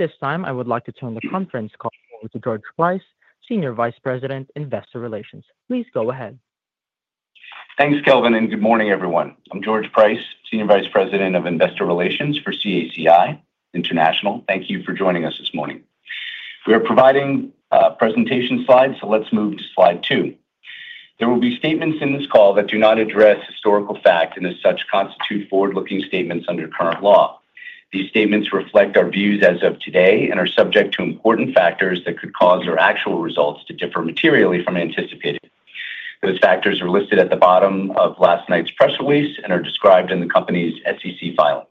At this time, I would like to turn the conference call over to George Price, Senior Vice President, Investor Relations. Please go ahead. Thanks, Calvin, and good morning, everyone. I'm George Price, Senior Vice President of Investor Relations for CACI International. Thank you for joining us this morning. We are providing presentation slides, so let's move to slide two. There will be statements in this call that do not address historical facts and, as such, constitute forward-looking statements under current law. These statements reflect our views as of today and are subject to important factors that could cause our actual results to differ materially from anticipated. Those factors are listed at the bottom of last night's press release and are described in the company's SEC filings.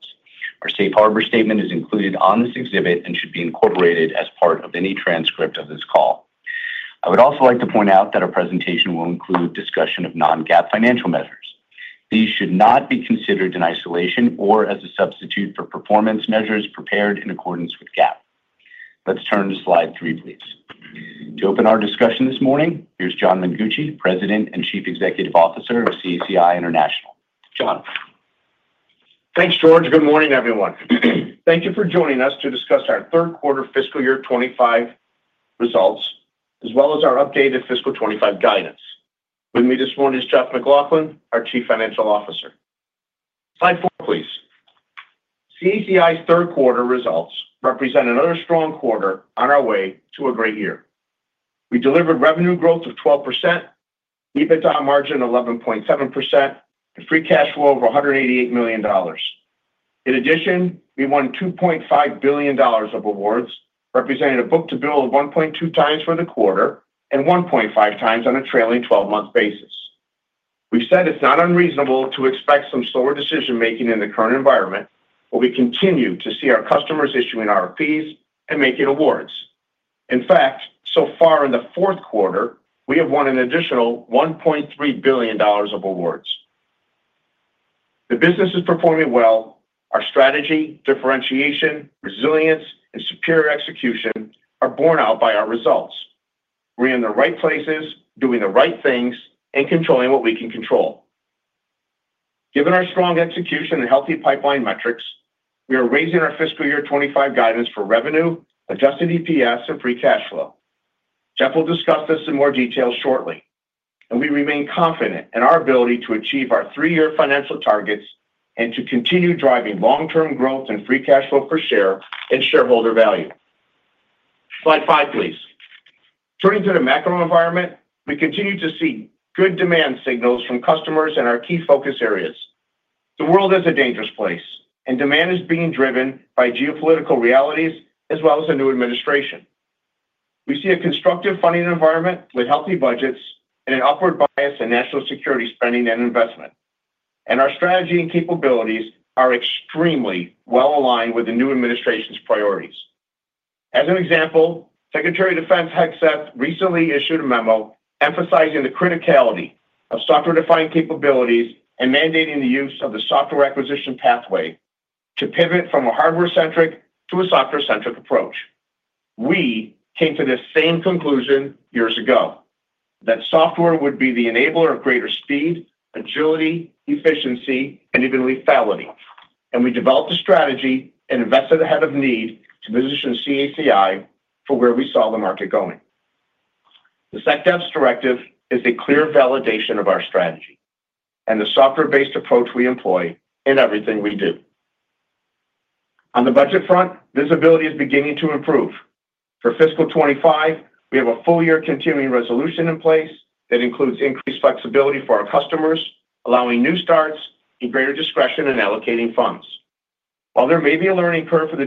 Our safe harbor statement is included on this exhibit and should be incorporated as part of any transcript of this call. I would also like to point out that our presentation will include discussion of non-GAAP financial measures. These should not be considered in isolation or as a substitute for performance measures prepared in accordance with GAAP. Let's turn to slide three, please. To open our discussion this morning, here's John Mengucci, President and Chief Executive Officer of CACI International. John. Thanks, George. Good morning, everyone. Thank you for joining us to discuss our third quarter fiscal year 2025 results, as well as our updated fiscal 2025 guidance. With me this morning is Jeff MacLauchlan, our Chief Financial Officer. Slide four, please. CACI's third quarter results represent another strong quarter on our way to a great year. We delivered revenue growth of 12%, EBITDA margin 11.7%, and free cash flow of $188 million. In addition, we won $2.5 billion of awards, representing a book-to-bill of 1.2x for the quarter and 1.5x on a trailing 12-month basis. We said it's not unreasonable to expect some slower decision-making in the current environment, but we continue to see our customers issuing RFPs and making awards. In fact, so far in the fourth quarter, we have won an additional $1.3 billion of awards. The business is performing well. Our strategy, differentiation, resilience, and superior execution are borne out by our results. We're in the right places, doing the right things, and controlling what we can control. Given our strong execution and healthy pipeline metrics, we are raising our fiscal year 2025 guidance for revenue, adjusted EPS, and free cash flow. Jeff will discuss this in more detail shortly. We remain confident in our ability to achieve our three-year financial targets and to continue driving long-term growth and free cash flow per share and shareholder value. Slide five, please. Turning to the macro environment, we continue to see good demand signals from customers and our key focus areas. The world is a dangerous place, and demand is being driven by geopolitical realities as well as a new administration. We see a constructive funding environment with healthy budgets and an upward bias in national security spending and investment. Our strategy and capabilities are extremely well aligned with the new administration's priorities. As an example, Secretary of Defense Hegseth recently issued a memo emphasizing the criticality of software-defined capabilities and mandating the use of the software acquisition pathway to pivot from a hardware-centric to a software-centric approach. We came to the same conclusion years ago that software would be the enabler of greater speed, agility, efficiency, and even lethality. We developed a strategy and invested ahead of need to position CACI for where we saw the market going. The SecDef directive is a clear validation of our strategy and the software-based approach we employ in everything we do. On the budget front, visibility is beginning to improve. For fiscal 2025, we have a full-year continuing resolution in place that includes increased flexibility for our customers, allowing new starts and greater discretion in allocating funds. While there may be a learning curve for the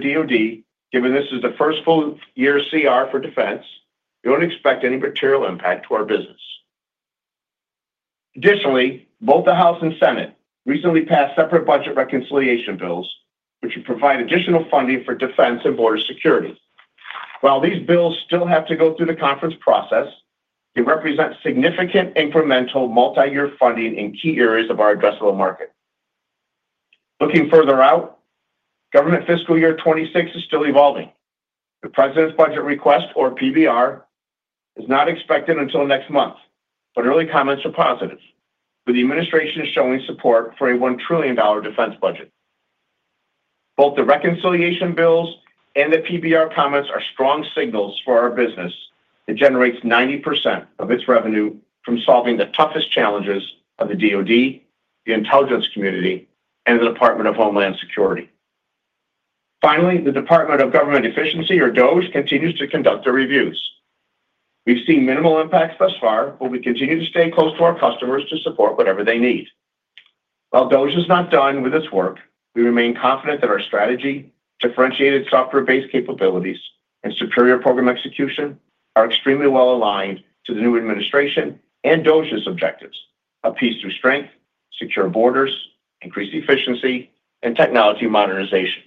DoD, given this is the first full-year CR for defense, we don't expect any material impact to our business. Additionally, both the House and Senate recently passed separate budget reconciliation bills, which would provide additional funding for defense and border security. While these bills still have to go through the conference process, they represent significant incremental multi-year funding in key areas of our addressable market. Looking further out, government fiscal year 2026 is still evolving. The President's Budget Request, or PBR, is not expected until next month, but early comments are positive, with the administration showing support for a $1 trillion defense budget. Both the reconciliation bills and the PBR comments are strong signals for our business that generates 90% of its revenue from solving the toughest challenges of the DoD, the intelligence community, and the Department of Homeland Security. Finally, the Department of Government Efficiency, or DOGE, continues to conduct their reviews. We've seen minimal impacts thus far, but we continue to stay close to our customers to support whatever they need. While DOGE is not done with its work, we remain confident that our strategy, differentiated software-based capabilities, and superior program execution are extremely well aligned to the new administration and DOGE's objectives: a peace through strength, secure borders, increased efficiency, and technology modernization.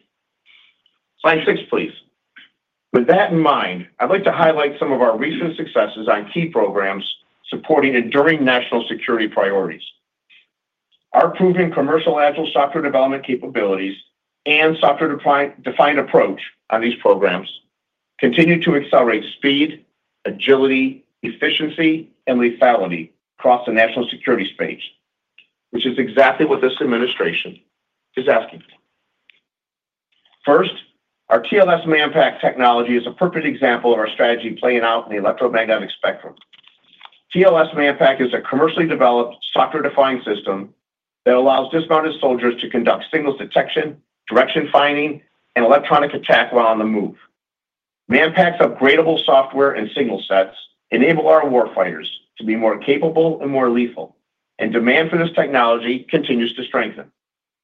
Slide six, please. With that in mind, I'd like to highlight some of our recent successes on key programs supporting enduring national security priorities. Our proven commercial agile software development capabilities and software-defined approach on these programs continue to accelerate speed, agility, efficiency, and lethality across the national security space, which is exactly what this administration is asking for. First, our TLS Manpack technology is a perfect example of our strategy playing out in the electromagnetic spectrum. TLS Manpack is a commercially developed software-defined system that allows dismounted soldiers to conduct signals detection, direction finding, and electronic attack while on the move. Manpack's upgradable software and signal sets enable our warfighters to be more capable and more lethal, and demand for this technology continues to strengthen.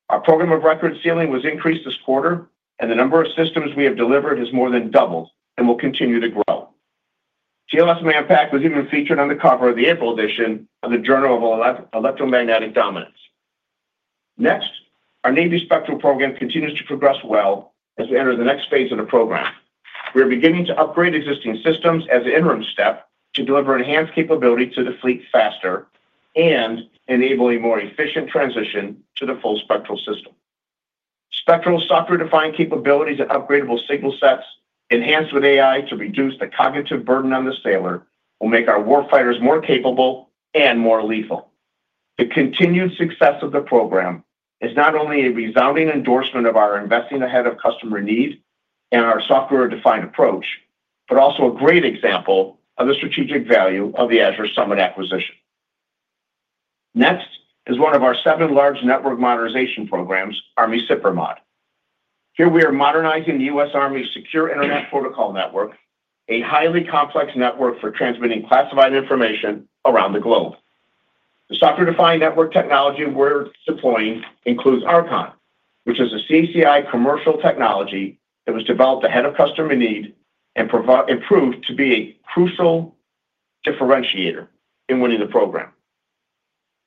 Our program of record ceiling was increased this quarter, and the number of systems we have delivered has more than doubled and will continue to grow. TLS Manpack was even featured on the cover of the April edition of the Journal of Electromagnetic Dominance. Next, our Navy Spectral program continues to progress well as we enter the next phase of the program. We are beginning to upgrade existing systems as an interim step to deliver enhanced capability to the fleet faster and enabling more efficient transition to the full Spectral system. Spectral software-defined capabilities and upgradable signal sets enhanced with AI to reduce the cognitive burden on the sailor will make our warfighters more capable and more lethal. The continued success of the program is not only a resounding endorsement of our investing ahead of customer need and our software-defined approach, but also a great example of the strategic value of the Azure Summit acquisition. Next is one of our seven large network modernization programs, Army SIPRMOD. Here we are modernizing the U.S. Army's Secure Internet Protocol Network, a highly complex network for transmitting classified information around the globe. The software-defined network technology we're deploying includes Archon, which is a CACI commercial technology that was developed ahead of customer need and improved to be a crucial differentiator in winning the program.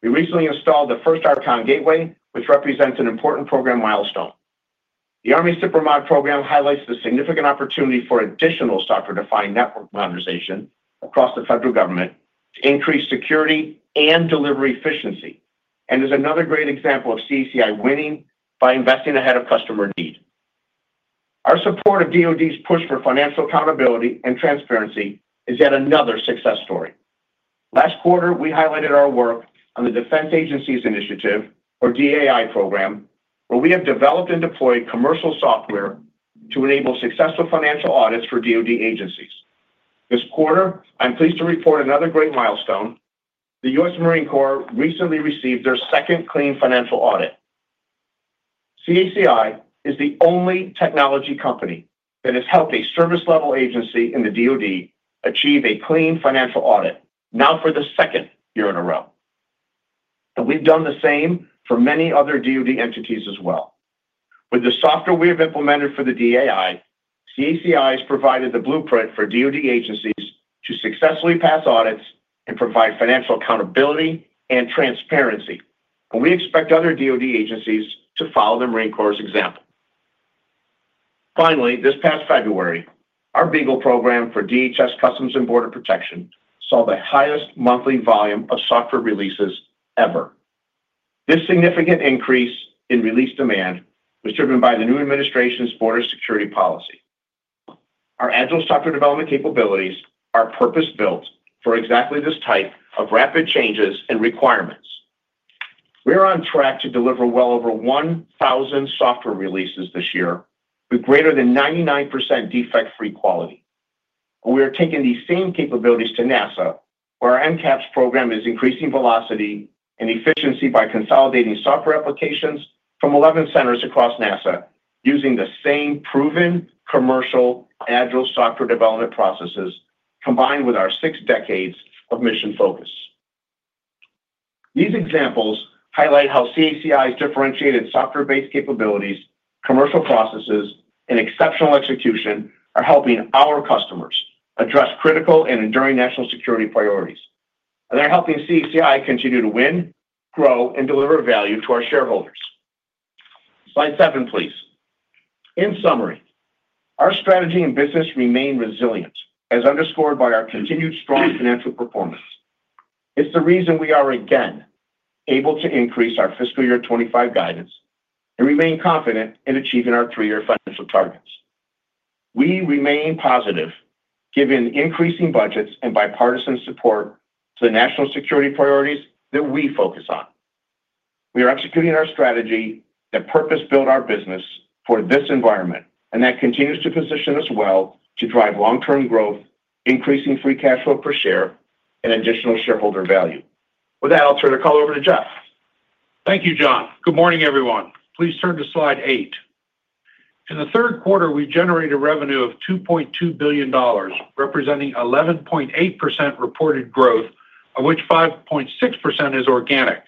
We recently installed the first Archon gateway, which represents an important program milestone. The Army SIPRMOD program highlights the significant opportunity for additional software-defined network modernization across the federal government to increase security and delivery efficiency and is another great example of CACI winning by investing ahead of customer need. Our support of DoD's push for financial accountability and transparency is yet another success story. Last quarter, we highlighted our work on the Defense Agencies Initiative, or DAI program, where we have developed and deployed commercial software to enable successful financial audits for DoD agencies. This quarter, I'm pleased to report another great milestone. The U.S. Marine Corps recently received their second clean financial audit. CACI is the only technology company that has helped a service-level agency in the DoD achieve a clean financial audit, now for the second year in a row. We have done the same for many other DoD entities as well. With the software we have implemented for the DAI, CACI has provided the blueprint for DoD agencies to successfully pass audits and provide financial accountability and transparency. We expect other DoD agencies to follow the Marine Corps' example. Finally, this past February, our BEAGLE program for DHS Customs and Border Protection saw the highest monthly volume of software releases ever. This significant increase in release demand was driven by the new administration's border security policy. Our agile software development capabilities are purpose-built for exactly this type of rapid changes and requirements. We are on track to deliver well over 1,000 software releases this year with greater than 99% defect-free quality. We are taking these same capabilities to NASA, where our NCAPS program is increasing velocity and efficiency by consolidating software applications from 11 centers across NASA using the same proven commercial agile software development processes combined with our six decades of mission focus. These examples highlight how CACI's differentiated software-based capabilities, commercial processes, and exceptional execution are helping our customers address critical and enduring national security priorities. They are helping CACI continue to win, grow, and deliver value to our shareholders. Slide seven, please. In summary, our strategy and business remain resilient, as underscored by our continued strong financial performance. It's the reason we are again able to increase our fiscal year 2025 guidance and remain confident in achieving our three-year financial targets. We remain positive given increasing budgets and bipartisan support for the national security priorities that we focus on. We are executing our strategy that purpose-built our business for this environment, and that continues to position us well to drive long-term growth, increasing free cash flow per share and additional shareholder value. With that, I'll turn the call over to Jeff. Thank you, John. Good morning, everyone. Please turn to slide eight. In the third quarter, we generated revenue of $2.2 billion, representing 11.8% reported growth, of which 5.6% is organic.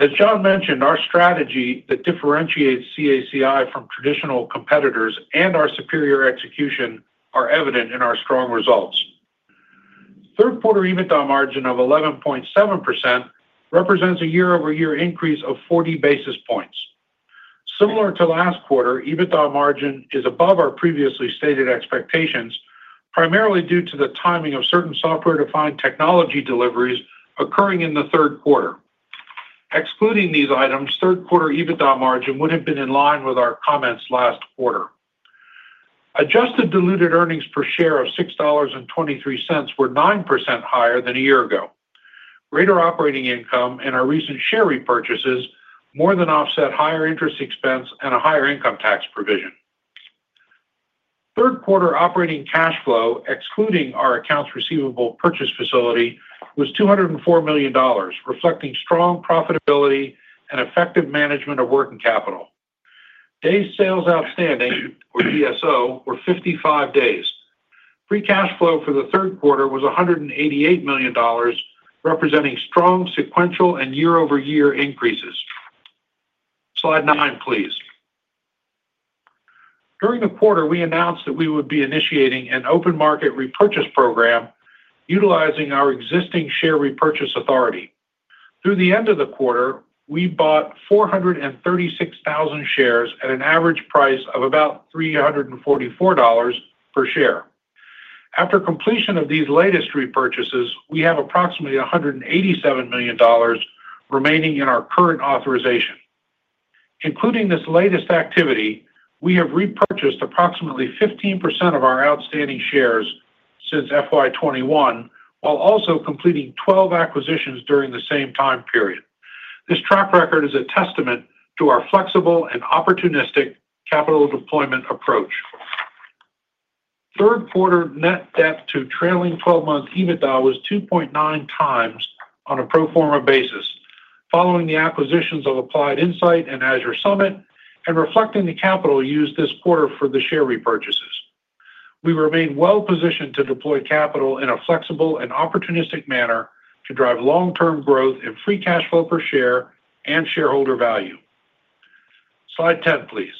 As John mentioned, our strategy that differentiates CACI from traditional competitors and our superior execution are evident in our strong results. Third quarter EBITDA margin of 11.7% represents a year-over-year increase of 40 basis points. Similar to last quarter, EBITDA margin is above our previously stated expectations, primarily due to the timing of certain software-defined technology deliveries occurring in the third quarter. Excluding these items, third quarter EBITDA margin would have been in line with our comments last quarter. Adjusted diluted earnings per share of $6.23 were 9% higher than a year ago. Greater operating income and our recent share repurchases more than offset higher interest expense and a higher income tax provision. Third quarter operating cash flow, excluding our accounts receivable purchase facility, was $204 million, reflecting strong profitability and effective management of working capital. Day Sales Outstanding, or DSO, were 55 days. Free cash flow for the third quarter was $188 million, representing strong sequential and year-over-year increases. Slide nine, please. During the quarter, we announced that we would be initiating an open market repurchase program utilizing our existing share repurchase authority. Through the end of the quarter, we bought 436,000 shares at an average price of about $344 per share. After completion of these latest repurchases, we have approximately $187 million remaining in our current authorization. Including this latest activity, we have repurchased approximately 15% of our outstanding shares since FY 2021, while also completing 12 acquisitions during the same time period. This track record is a testament to our flexible and opportunistic capital deployment approach. Third quarter net debt to trailing 12-month EBITDA was 2.9x on a pro forma basis, following the acquisitions of Applied Insight and Azure Summit and reflecting the capital used this quarter for the share repurchases. We remain well-positioned to deploy capital in a flexible and opportunistic manner to drive long-term growth in free cash flow per share and shareholder value. Slide 10, please.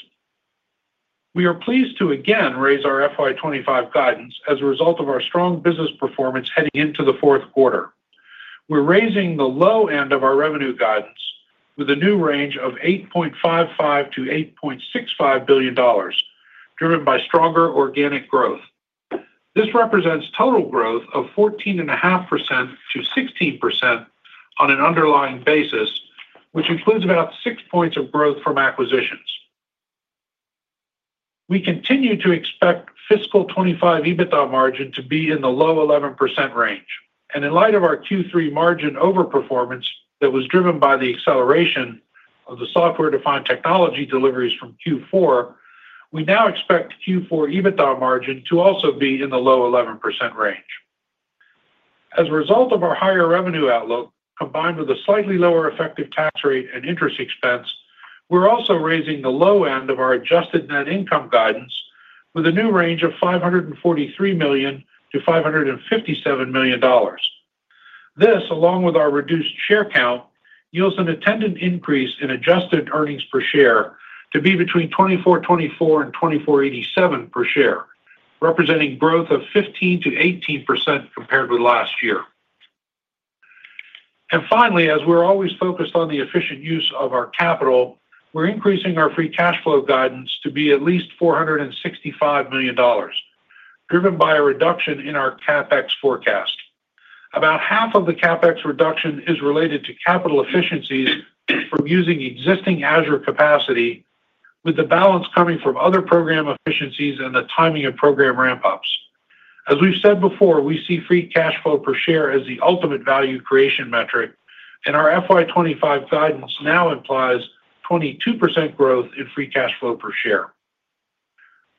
We are pleased to again raise our FY 2025 guidance as a result of our strong business performance heading into the fourth quarter. We're raising the low end of our revenue guidance with a new range of $8.55 billion-$8.65 billion, driven by stronger organic growth. This represents total growth of 14.5%-16% on an underlying basis, which includes about six points of growth from acquisitions. We continue to expect fiscal 2025 EBITDA margin to be in the low 11% range. In light of our Q3 margin overperformance that was driven by the acceleration of the software-defined technology deliveries from Q4, we now expect Q4 EBITDA margin to also be in the low 11% range. As a result of our higher revenue outlook, combined with a slightly lower effective tax rate and interest expense, we're also raising the low end of our adjusted net income guidance with a new range of $543 million-$557 million. This, along with our reduced share count, yields an attendant increase in adjusted earnings per shar20e to be between $2,424 and $2,487 per share, representing growth of 15%-18% compared with last year. Finally, as we're always focused on the efficient use of our capital, we're increasing our free cash flow guidance to be at least $465 million, driven by a reduction in our CapEx forecast. About half of the CapEx reduction is related to capital efficiencies from using existing Azure capacity, with the balance coming from other program efficiencies and the timing of program ramp-ups. As we've said before, we see free cash flow per share as the ultimate value creation metric, and our FY 2025 guidance now implies 22% growth in free cash flow per share.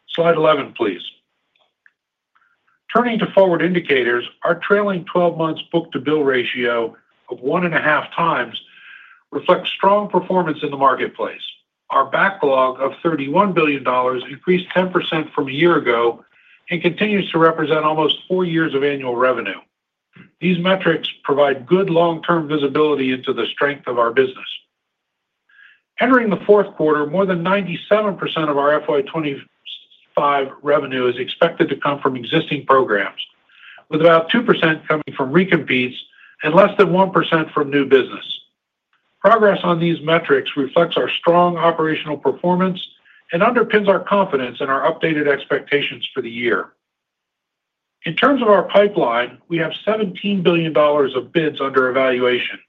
Slide 11, please. Turning to forward indicators, our trailing 12-month book-to-bill ratio of 1.5x reflects strong performance in the marketplace. Our backlog of $31 billion increased 10% from a year ago and continues to represent almost four years of annual revenue. These metrics provide good long-term visibility into the strength of our business. Entering the fourth quarter, more than 97% of our FY 2025 revenue is expected to come from existing programs, with about 2% coming from recompetes and less than 1% from new business. Progress on these metrics reflects our strong operational performance and underpins our confidence in our updated expectations for the year. In terms of our pipeline, we have $17 billion of bids under evaluation,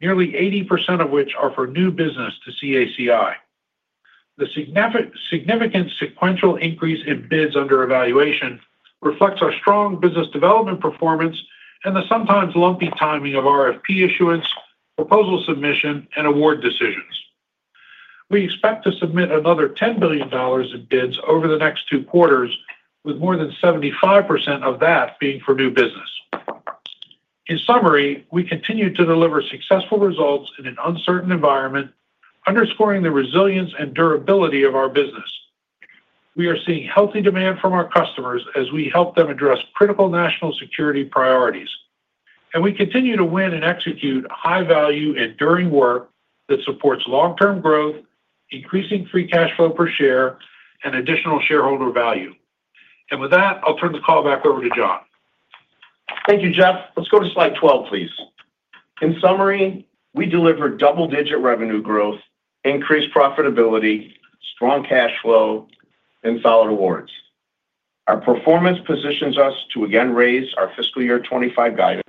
nearly 80% of which are for new business to CACI. The significant sequential increase in bids under evaluation reflects our strong business development performance and the sometimes lumpy timing of RFP issuance, proposal submission, and award decisions. We expect to submit another $10 billion in bids over the next two quarters, with more than 75% of that being for new business. In summary, we continue to deliver successful results in an uncertain environment, underscoring the resilience and durability of our business. We are seeing healthy demand from our customers as we help them address critical national security priorities. We continue to win and execute high-value, enduring work that supports long-term growth, increasing free cash flow per share, and additional shareholder value. With that, I'll turn the call back over to John. Thank you, Jeff. Let's go to slide 12, please. In summary, we delivered double-digit revenue growth, increased profitability, strong cash flow, and solid awards. Our performance positions us to again raise our fiscal year 2025 guidance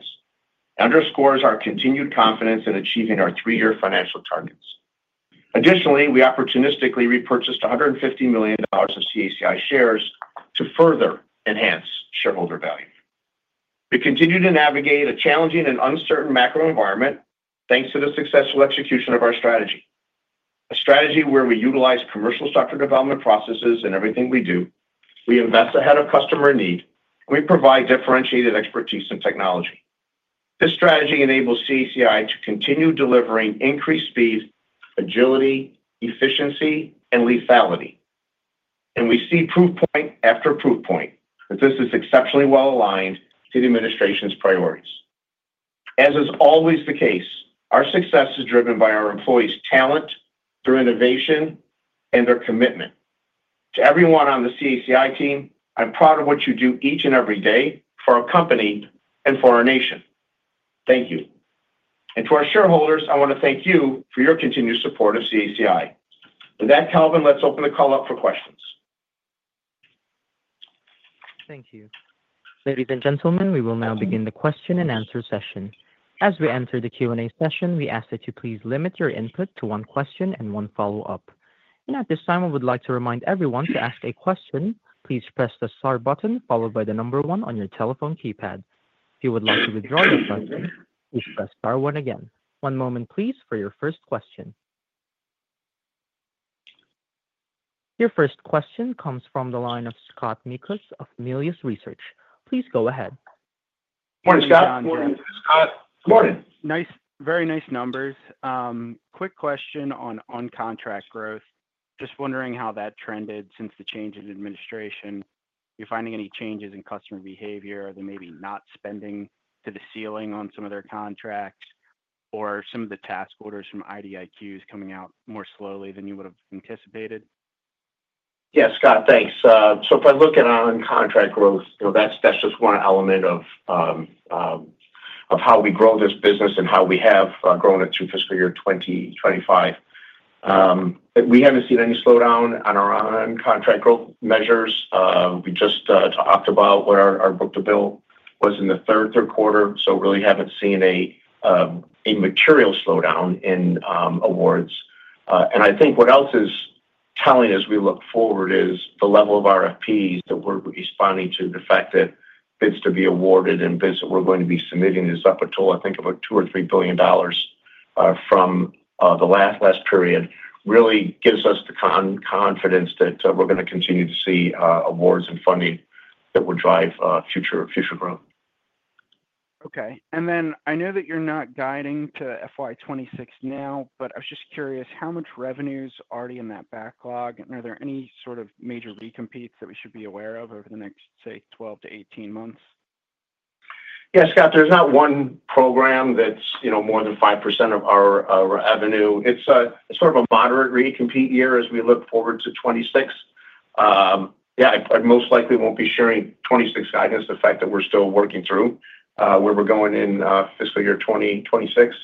and underscores our continued confidence in achieving our three-year financial targets. Additionally, we opportunistically repurchased $150 million of CACI shares to further enhance shareholder value. We continue to navigate a challenging and uncertain macro environment thanks to the successful execution of our strategy. A strategy where we utilize commercial software development processes in everything we do, we invest ahead of customer need, and we provide differentiated expertise and technology. This strategy enables CACI to continue delivering increased speed, agility, efficiency, and lethality. We see proof point after proof point that this is exceptionally well aligned to the administration's priorities. As is always the case, our success is driven by our employees' talent through innovation and their commitment. To everyone on the CACI team, I'm proud of what you do each and every day for our company and for our nation. Thank you. To our shareholders, I want to thank you for your continued support of CACI. With that, Calvin, let's open the call up for questions. Thank you. Ladies and gentlemen, we will now begin the question and answer session. As we enter the Q&A session, we ask that you please limit your input to one question and one follow-up. At this time, I would like to remind everyone to ask a question, please press the star button followed by the number one on your telephone keypad. If you would like to withdraw your question, please press star one again. One moment, please, for your first question. Your first question comes from the line of Scott Mikus of Melius Research. Please go ahead. Morning, Scott. Morning, Scott. Good morning. Nice. Very nice numbers. Quick question on on-contract growth. Just wondering how that trended since the change in administration. Are you finding any changes in customer behavior? Are they maybe not spending to the ceiling on some of their contracts or some of the task orders from IDIQs coming out more slowly than you would have anticipated? Yeah, Scott, thanks. If I look at on-contract growth, that's just one element of how we grow this business and how we have grown it through fiscal year 2025. We haven't seen any slowdown on our on-contract growth measures. We just talked about where our book-to-bill was in the third quarter, so we really haven't seen a material slowdown in awards. I think what else is telling as we look forward is the level of RFPs that we're responding to, the fact that bids to be awarded and bids that we're going to be submitting is up until, I think, about $2 billion or $3 billion from the last period really gives us the confidence that we're going to continue to see awards and funding that will drive future growth. Okay. I know that you're not guiding to FY 2026 now, but I was just curious how much revenue is already in that backlog, and are there any sort of major recompetes that we should be aware of over the next, say, 12 to 18 months? Yeah, Scott, there's not one program that's more than 5% of our revenue. It's sort of a moderate recompete year as we look forward to 2026. Yeah, I most likely won't be sharing 2026 guidance, the fact that we're still working through where we're going in fiscal year 2026.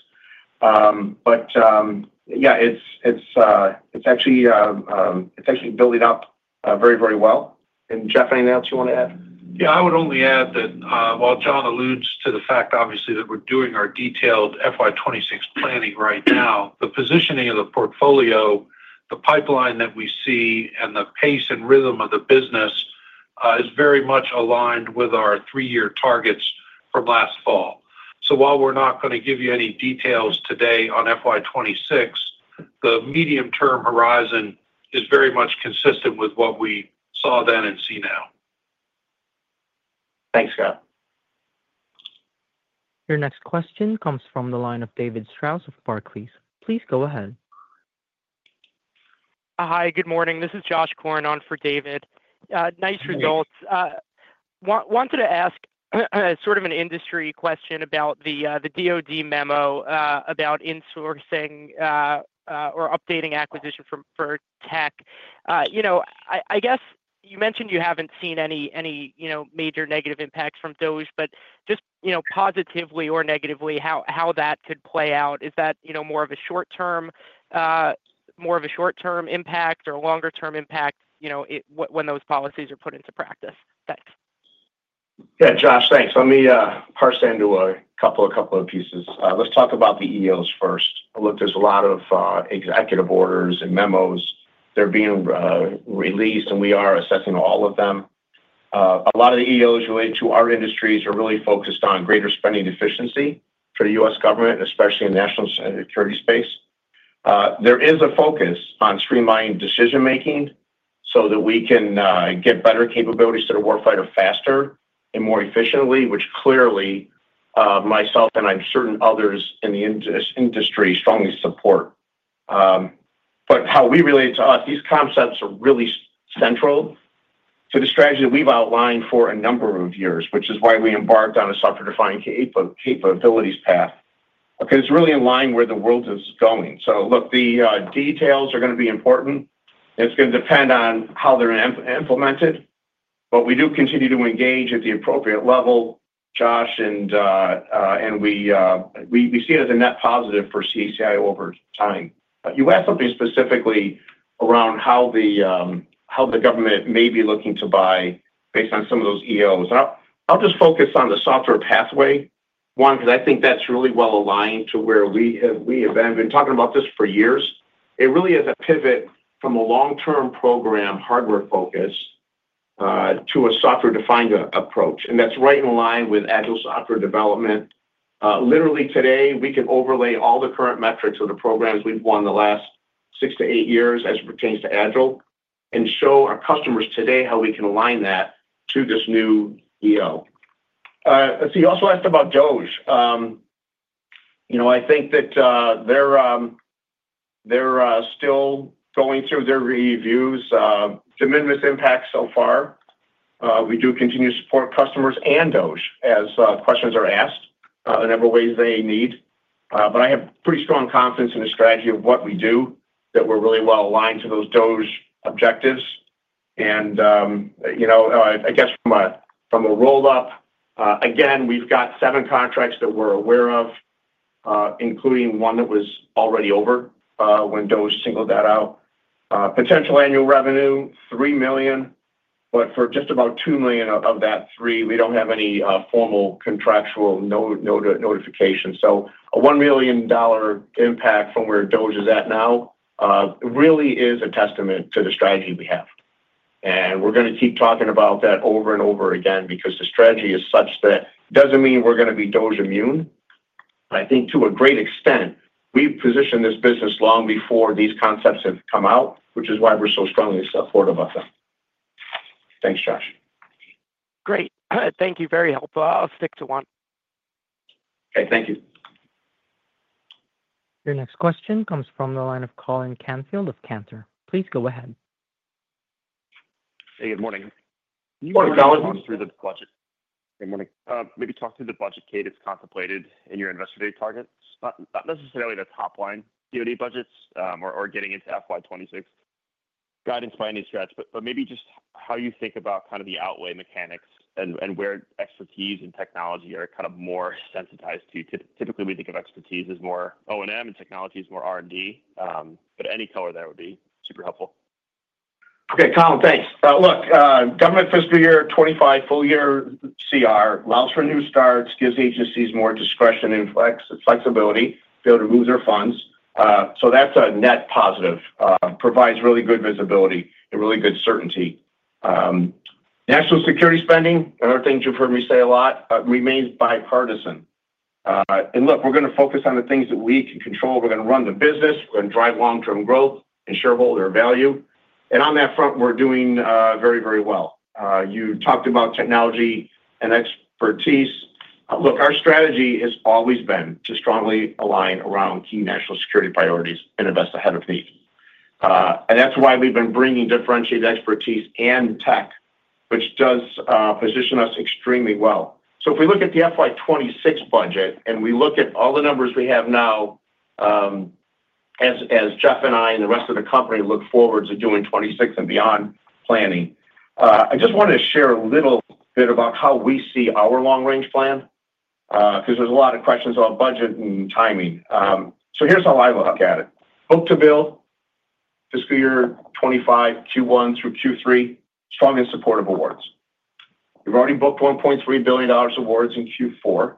Yeah, it's actually building up very, very well. Jeff, anything else you want to add? Yeah, I would only add that while John alludes to the fact, obviously, that we're doing our detailed FY 2026 planning right now, the positioning of the portfolio, the pipeline that we see, and the pace and rhythm of the business is very much aligned with our three-year targets from last fall. While we're not going to give you any details today on FY 2026, the medium-term horizon is very much consistent with what we saw then and see now. Thanks, Scott. Your next question comes from the line of David Strauss of Barclays. Please go ahead. Hi, good morning. This is Josh Cornan for David. Nice results. Wanted to ask sort of an industry question about the DoD memo about insourcing or updating acquisitions for tech. I guess you mentioned you haven't seen any major negative impacts from those, but just positively or negatively, how that could play out. Is that more of a short-term impact or a longer-term impact when those policies are put into practice? Thanks. Yeah, Josh, thanks. Let me parse into a couple of pieces. Let's talk about the EOs first. Look, there's a lot of executive orders and memos that are being released, and we are assessing all of them. A lot of the EOs related to our industries are really focused on greater spending efficiency for the U.S. government, especially in the national security space. There is a focus on streamlining decision-making so that we can get better capabilities to the warfighter faster and more efficiently, which clearly myself and I'm certain others in the industry strongly support. How we relate to us, these concepts are really central to the strategy that we've outlined for a number of years, which is why we embarked on a software-defined capabilities path because it's really in line with where the world is going. The details are going to be important. It's going to depend on how they're implemented. We do continue to engage at the appropriate level, Josh, and we see it as a net positive for CACI over time. You asked something specifically around how the government may be looking to buy based on some of those EOs. I'll just focus on the software pathway, one, because I think that's really well aligned to where we have been talking about this for years. It really is a pivot from a long-term program hardware focus to a software-defined approach. That's right in line with Agile software development. Literally, today, we could overlay all the current metrics of the programs we've won the last six to eight years as it pertains to Agile and show our customers today how we can align that to this new EO. You also asked about DOGE. I think that they're still going through their reviews. Diminished impact so far. We do continue to support customers and DOGE as questions are asked in a number of ways they need. I have pretty strong confidence in the strategy of what we do that we're really well aligned to those DOGE objectives. I guess from a roll-up, again, we've got seven contracts that we're aware of, including one that was already over when DOGE singled that out. Potential annual revenue, $3 million. For just about $2 million of that three, we don't have any formal contractual notification. A $1 million impact from where DOGE is at now really is a testament to the strategy we have. We're going to keep talking about that over and over again because the strategy is such that it doesn't mean we're going to be DOGE immune. I think to a great extent, we've positioned this business long before these concepts have come out, which is why we're so strongly supportive of them. Thanks, Josh. Great. Thank you, very helpful. I'll stick to one. Your next question comes from the line of Colin Canfield of Cantor. Please go ahead. Hey, good morning. Morning, guys. Through the budget. Maybe talk through the budget cadence contemplated in your investor-day targets. Not necessarily the top-line DoD budgets or getting into FY 2026 guidance by any stretch, but maybe just how you think about kind of the outlay mechanics and where expertise and technology are kind of more sensitized to. Typically, we think of expertise as more O&M and technology as more R&D, but any color there would be super helpful. Okay, Colin, thanks. Look, government fiscal year 2025 full-year CR allows for new starts, gives agencies more discretion and flexibility to be able to move their funds. That is a net positive. Provides really good visibility and really good certainty. National security spending, another thing you've heard me say a lot, remains bipartisan. We're going to focus on the things that we can control. We're going to run the business. We're going to drive long-term growth and shareholder value. On that front, we're doing very, very well. You talked about technology and expertise. Our strategy has always been to strongly align around key national security priorities and invest ahead of need. That is why we've been bringing differentiated expertise and tech, which does position us extremely well. If we look at the FY 2026 budget and we look at all the numbers we have now, as Jeff and I and the rest of the company look forward to doing 2026 and beyond planning, I just wanted to share a little bit about how we see our long-range plan because there's a lot of questions about budget and timing. Here's how I look at it. Book-to-bill, fiscal year 2025 Q1 through Q3, strong and supportive awards. We've already booked $1.3 billion awards in Q4,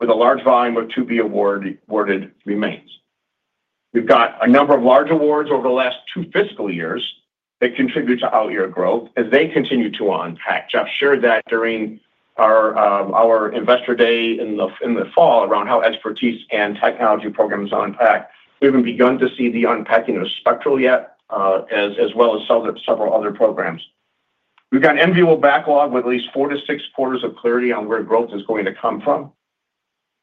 with a large volume of to-be awarded remains. We've got a number of large awards over the last two fiscal years that contribute to out-year growth as they continue to unpack. Jeff shared that during our investor day in the fall around how expertise and technology programs unpack. We haven't begun to see the unpacking of Spectral yet, as well as several other programs. We've got an enviable backlog with at least four to six quarters of clarity on where growth is going to come from.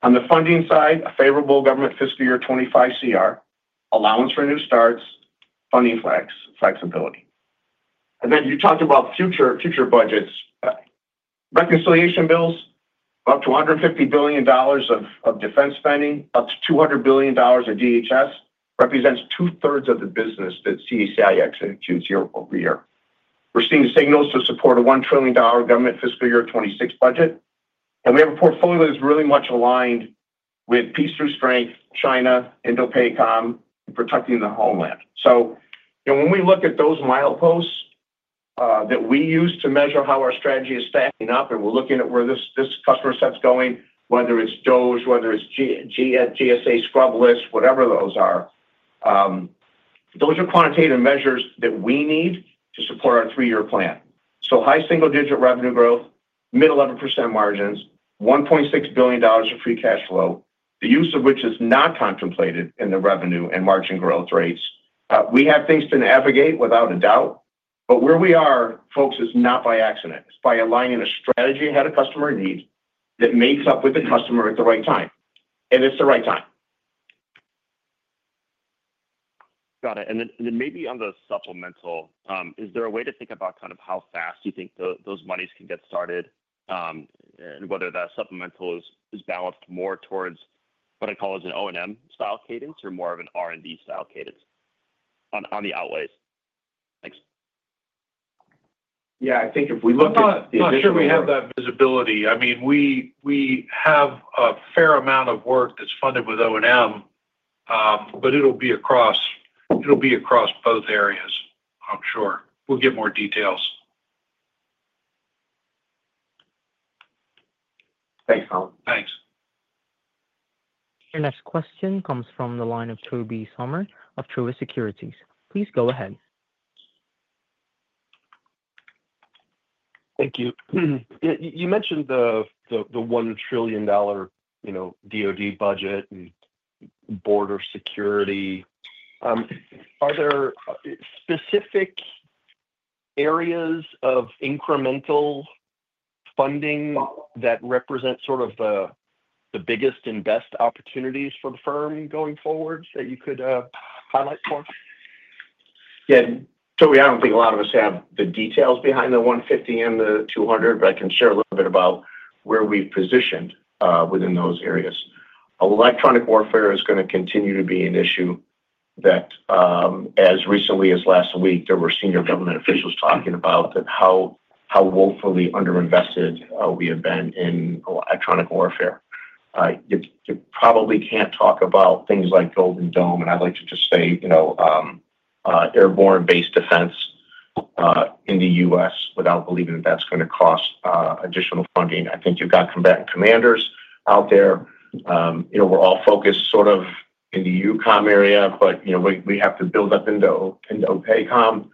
On the funding side, a favorable government fiscal year 2025 CR, allowance for new starts, funding flexibility. You talked about future budgets. Reconciliation bills, about $250 billion of defense spending, up to $200 billion of DHS, represents 2/3 of the business that CACI executes year over year. We're seeing signals to support a $1 trillion government fiscal year 2026 budget. We have a portfolio that's really much aligned with peace through strength, China, Indo-Pacom, and protecting the homeland. When we look at those milestones that we use to measure how our strategy is stacking up and we're looking at where this customer set's going, whether it's DOGE, whether it's GSA scrub list, whatever those are, those are quantitative measures that we need to support our three-year plan. High single-digit revenue growth, mid-11% margins, $1.6 billion of free cash flow, the use of which is not contemplated in the revenue and margin growth rates. We have things to navigate without a doubt. Where we are, folks, is not by accident. It's by aligning a strategy ahead of customer needs that makes up with the customer at the right time. It's the right time. Got it. Maybe on the supplemental, is there a way to think about kind of how fast you think those monies can get started and whether that supplemental is balanced more towards what I call as an O&M style cadence or more of an R&D style cadence on the outlays? Thanks. Yeah, I think if we look at. I'm not sure we have that visibility. I mean, we have a fair amount of work that's funded with O&M, but it'll be across both areas, I'm sure. We'll get more details. Thanks, Colin. Thanks. Your next question comes from the line of Tobey Sommer of Truist Securities. Please go ahead. Thank you. You mentioned the $1 trillion DoD budget and border security. Are there specific areas of incremental funding that represent sort of the biggest and best opportunities for the firm going forward that you could highlight for us? Yeah. Tobey, I don't think a lot of us have the details behind the 150 and the 200, but I can share a little bit about where we've positioned within those areas. Electronic warfare is going to continue to be an issue that, as recently as last week, there were senior government officials talking about how woefully underinvested we have been in electronic warfare. You probably can't talk about things like Golden Dome, and I'd like to just say airborne-based defense in the U.S. without believing that that's going to cost additional funding. I think you've got combatant commanders out there. We're all focused sort of in the UCOM area, but we have to build up into INDOPACOM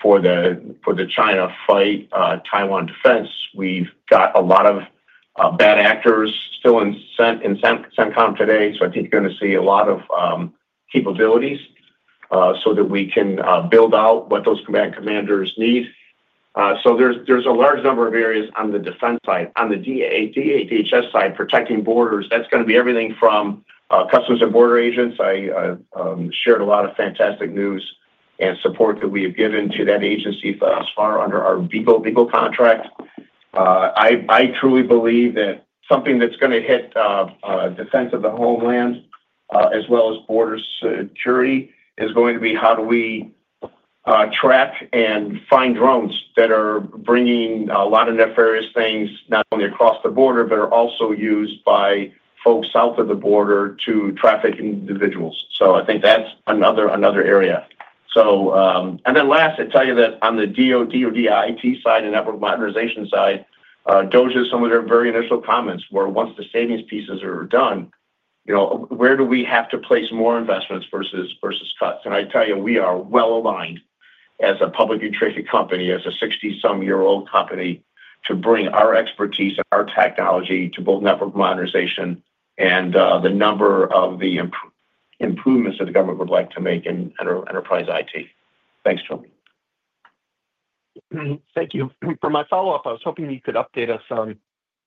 for the China fight, Taiwan defense. We've got a lot of bad actors still in CENTCOM today. I think you're going to see a lot of capabilities so that we can build out what those combatant commanders need. There's a large number of areas on the defense side. On the DHS side, protecting borders, that's going to be everything from customs and border agents. I shared a lot of fantastic news and support that we have given to that agency thus far under our BEAGLE contract. I truly believe that something that's going to hit defense of the homeland as well as border security is going to be how do we track and find drones that are bringing a lot of nefarious things not only across the border, but are also used by folks south of the border to traffic individuals. I think that's another area. I tell you that on the DoD or DIT side and network modernization side, DOGE is some of their very initial comments were once the savings pieces are done, where do we have to place more investments versus cuts? I tell you, we are well aligned as a publicly traded company, as a 60-some-year-old company, to bring our expertise and our technology to both network modernization and the number of the improvements that the government would like to make in enterprise IT. Thanks, Tobey. Thank you. For my follow-up, I was hoping you could update us on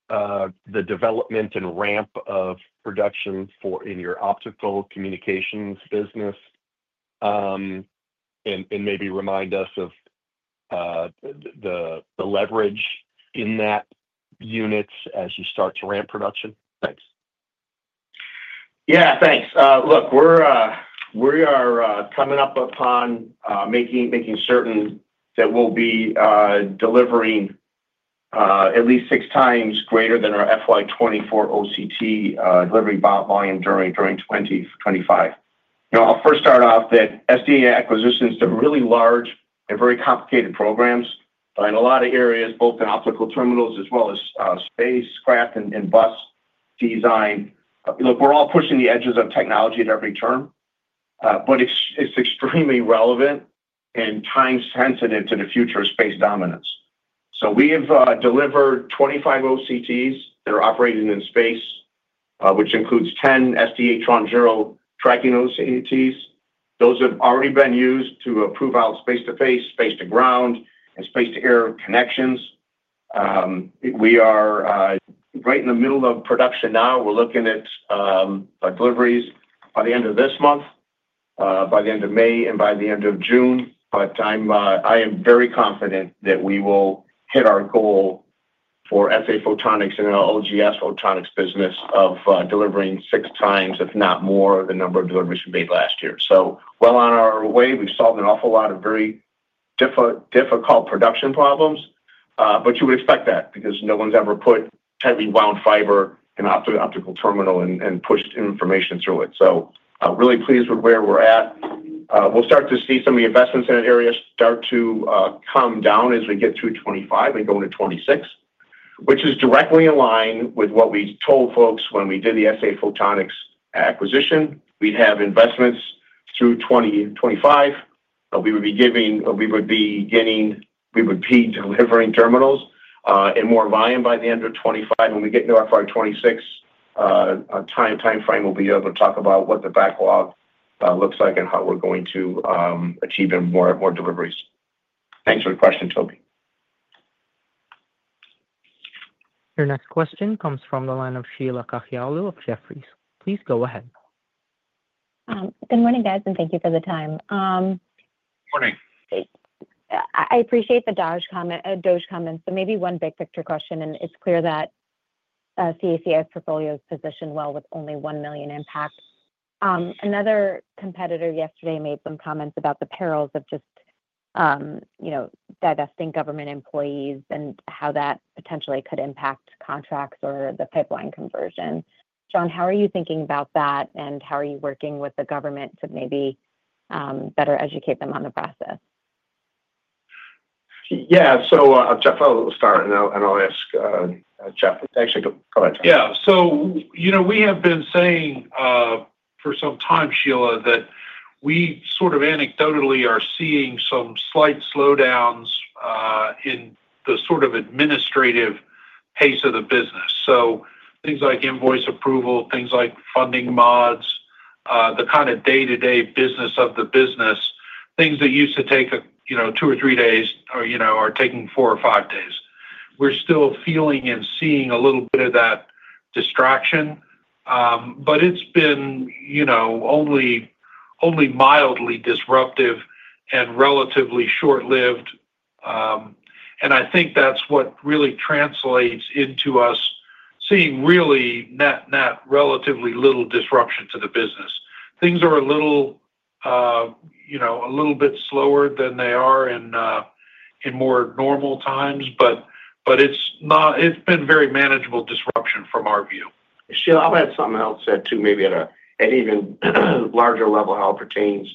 the development and ramp of production in your optical communications business and maybe remind us of the leverage in that unit as you start to ramp production. Thanks. Yeah, thanks. Look, we're coming up upon making certain that we'll be delivering at least six times greater than our FY 2024 OCT delivery volume during 2025. I'll first start off that SDA acquisitions are really large and very complicated programs in a lot of areas, both in optical terminals as well as spacecraft and bus design. Look, we're all pushing the edges of technology at every turn, but it's extremely relevant and time-sensitive to the future of space dominance. We have delivered 25 OCTs that are operating in space, which includes 10 SDA Tranche 0 tracking OCTs. Those have already been used to approve out space-to-face, space-to-ground, and space-to-air connections. We are right in the middle of production now. We're looking at deliveries by the end of this month, by the end of May, and by the end of June. I am very confident that we will hit our goal for SA Photonics and LGS Photonics business of delivering six times, if not more, the number of deliveries we made last year. We are well on our way. We have solved an awful lot of very difficult production problems, but you would expect that because no one's ever put heavily wound fiber in an optical terminal and pushed information through it. I am really pleased with where we are at. We will start to see some of the investments in that area start to come down as we get through 2025 and go into 2026, which is directly in line with what we told folks when we did the SA Photonics acquisition. We would have investments through 2025. We would be giving, we would be getting, we would be delivering terminals in more volume by the end of 2025. When we get into our 2026 timeframe, we'll be able to talk about what the backlog looks like and how we're going to achieve more deliveries. Thanks for the question, Tobey. Your next question comes from the line of Sheila Kahyaoglu of Jefferies. Please go ahead. Good morning, guys, and thank you for the time. Good morning. I appreciate the DOGE comments. Maybe one big picture question. It's clear that CACI's portfolio is positioned well with only $1 million in PACs. Another competitor yesterday made some comments about the perils of just divesting government employees and how that potentially could impact contracts or the pipeline conversion. John, how are you thinking about that, and how are you working with the government to maybe better educate them on the process? Yeah. Jeff, I'll start, and I'll ask Jeff. Actually, go ahead. Yeah. We have been saying for some time, Sheila, that we sort of anecdotally are seeing some slight slowdowns in the sort of administrative pace of the business. Things like invoice approval, things like funding mods, the kind of day-to-day business of the business, things that used to take two or three days are taking four or five days. We're still feeling and seeing a little bit of that distraction, but it's been only mildly disruptive and relatively short-lived. I think that's what really translates into us seeing really net relatively little disruption to the business. Things are a little bit slower than they are in more normal times, but it's been very manageable disruption from our view. Sheila, I'll add something else to maybe at an even larger level how it pertains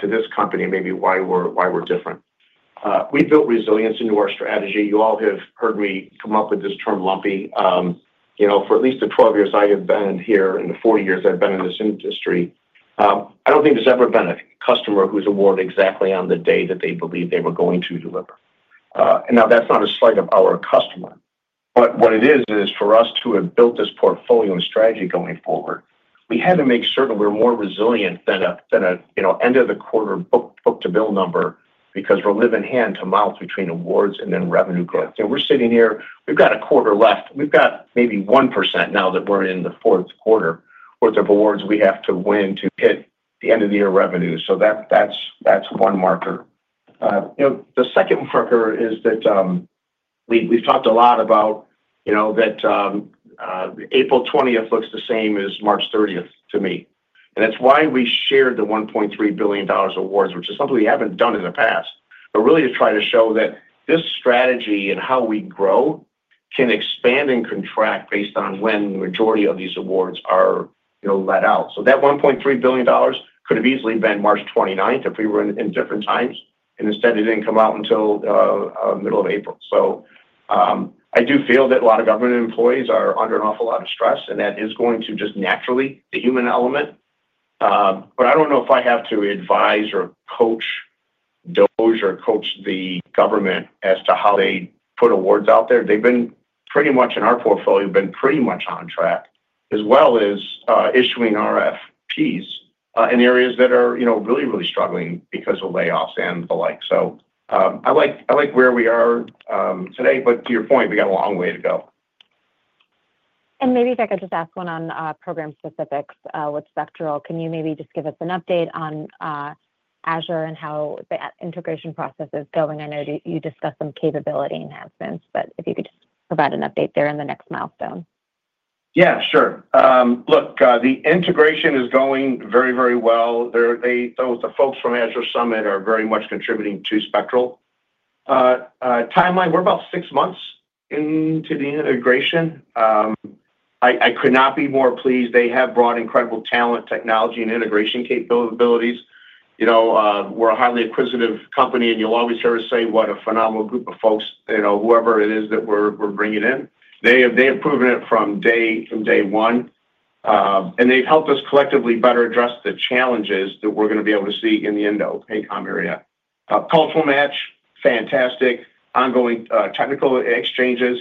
to this company and maybe why we're different. We've built resilience into our strategy. You all have heard me come up with this term, lumpy. For at least the 12 years I have been here and the 40 years I've been in this industry, I don't think there's ever been a customer who's awarded exactly on the day that they believe they were going to deliver. That is not a slight of our customer. What it is, is for us to have built this portfolio and strategy going forward, we had to make certain we're more resilient than an end-of-the-quarter book-to-bill number because we're living hand to mouth between awards and then revenue growth. We're sitting here. We've got a quarter left. We've got maybe 1% now that we're in the fourth quarter worth of awards we have to win to hit the end-of-the-year revenue. That is one marker. The second marker is that we've talked a lot about that April 20 looks the same as March 30 to me. That is why we shared the $1.3 billion awards, which is something we haven't done in the past, but really to try to show that this strategy and how we grow can expand and contract based on when the majority of these awards are let out. That $1.3 billion could have easily been March 29 if we were in different times, and instead it did not come out until the middle of April. I do feel that a lot of government employees are under an awful lot of stress, and that is going to just naturally the human element. I don't know if I have to advise or coach the government as to how they put awards out there. They've been pretty much in our portfolio, been pretty much on track, as well as issuing RFPs in areas that are really, really struggling because of layoffs and the like. I like where we are today, but to your point, we got a long way to go. Maybe if I could just ask one on program specifics with Spectral. Can you maybe just give us an update on Azure and how the integration process is going? I know you discussed some capability enhancements, but if you could just provide an update there in the next milestone. Yeah, sure. Look, the integration is going very, very well. Those folks from Azure Summit are very much contributing to Spectral. Timeline, we're about six months into the integration. I could not be more pleased. They have brought incredible talent, technology, and integration capabilities. We're a highly acquisitive company, and you'll always hear us say what a phenomenal group of folks, whoever it is that we're bringing in. They have proven it from day one, and they've helped us collectively better address the challenges that we're going to be able to see in the end-of-time area. Cultural match, fantastic. Ongoing technical exchanges,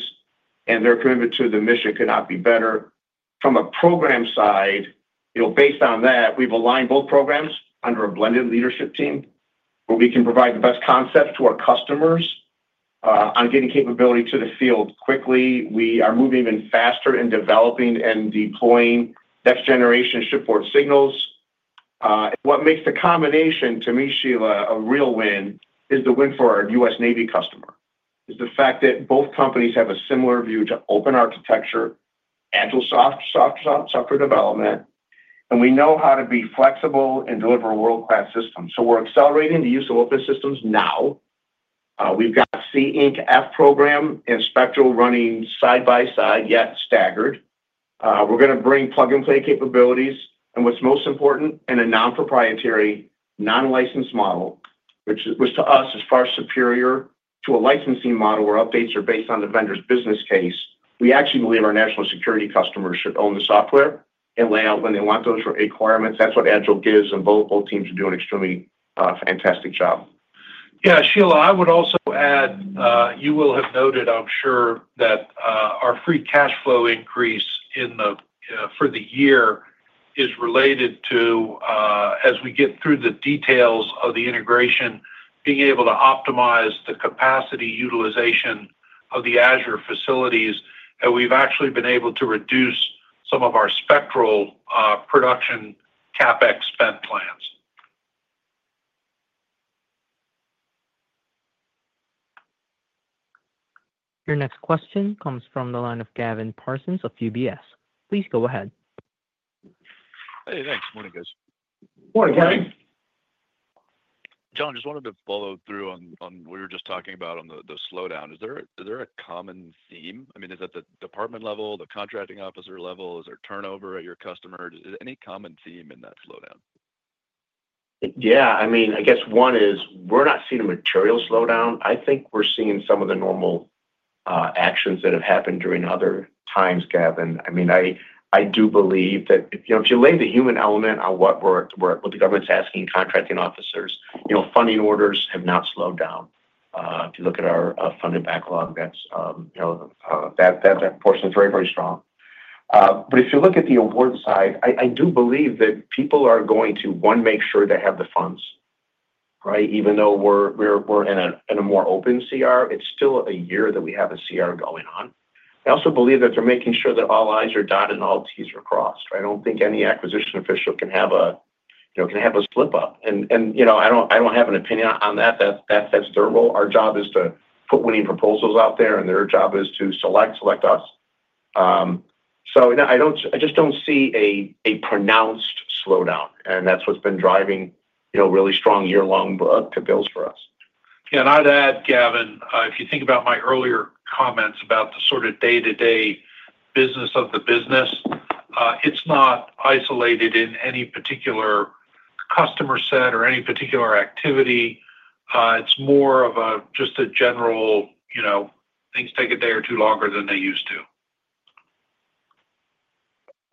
and their commitment to the mission could not be better. From a program side, based on that, we've aligned both programs under a blended leadership team where we can provide the best concept to our customers on getting capability to the field quickly. We are moving even faster in developing and deploying next-generation shipboard signals. What makes the combination, to me, Sheila, a real win is the win for our U.S. Navy customer, is the fact that both companies have a similar view to open architecture, agile software development, and we know how to be flexible and deliver a world-class system. We are accelerating the use of open systems now. We have got SSEE Inc F program and Spectral running side by side, yet staggered. We are going to bring plug-and-play capabilities. What is most important, in a non-proprietary, non-licensed model, which to us is far superior to a licensing model where updates are based on the vendor's business case, we actually believe our national security customers should own the software and lay out when they want those requirements. That is what Agile gives, and both teams are doing an extremely fantastic job. Yeah, Sheila, I would also add, you will have noted, I'm sure, that our free cash flow increase for the year is related to, as we get through the details of the integration, being able to optimize the capacity utilization of the Azure facilities, and we've actually been able to reduce some of our Spectral production CapEx spend plans. Your next question comes from the line of Gavin Parsons of UBS. Please go ahead. Hey, thanks. Morning, guys. Morning, guys. John, just wanted to follow through on what we were just talking about on the slowdown. Is there a common theme? I mean, is that the department level, the contracting officer level? Is there turnover at your customers? Is there any common theme in that slowdown? Yeah. I mean, I guess one is we're not seeing a material slowdown. I think we're seeing some of the normal actions that have happened during other times, Gavin. I mean, I do believe that if you lay the human element on what the government's asking contracting officers, funding orders have not slowed down. If you look at our funded backlog, that portion is very, very strong. If you look at the award side, I do believe that people are going to, one, make sure they have the funds, right? Even though we're in a more open CR, it's still a year that we have a CR going on. I also believe that they're making sure that all I's are dotted and all T's are crossed. I don't think any acquisition official can have a slip-up. I don't have an opinion on that. That's their role. Our job is to put winning proposals out there, and their job is to select, select us. I just do not see a pronounced slowdown, and that is what has been driving really strong year-long book-to-bills for us. Yeah. I'd add, Gavin, if you think about my earlier comments about the sort of day-to-day business of the business, it's not isolated in any particular customer set or any particular activity. It's more of just a general things take a day or two longer than they used to.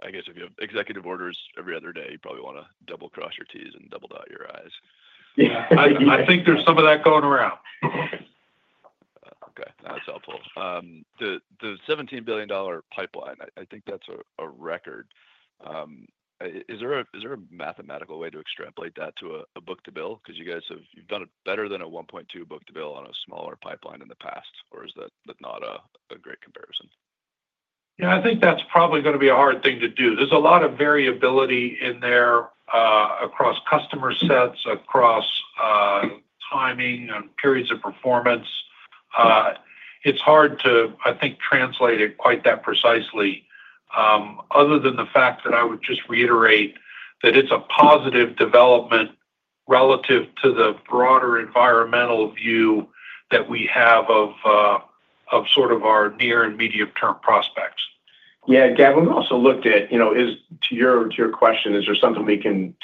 I guess if you have executive orders every other day, you probably want to double-cross your T's and double-dot your I's. Yeah. I think there's some of that going around. Okay. That's helpful. The $17 billion pipeline, I think that's a record. Is there a mathematical way to extrapolate that to a book-to-bill? Because you guys have done it better than a 1.2 book-to-bill on a smaller pipeline in the past, or is that not a great comparison? Yeah. I think that's probably going to be a hard thing to do. There's a lot of variability in there across customer sets, across timing and periods of performance. It's hard to, I think, translate it quite that precisely, other than the fact that I would just reiterate that it's a positive development relative to the broader environmental view that we have of sort of our near and medium-term prospects. Yeah. Gavin, we've also looked at, to your question, is there something we can